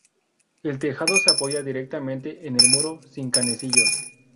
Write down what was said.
El tejado se apoya directamente en el muro, sin canecillos.